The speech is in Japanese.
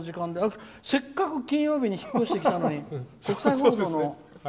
せっかく金曜日に引っ越してきたのに「国際報道」の。